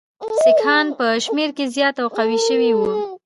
سیکهان په شمېر کې زیات او قوي شوي وو.